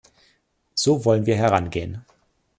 So wollen wir herangehen.